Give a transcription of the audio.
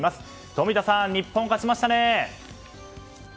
冨田さん、日本勝ちましたね！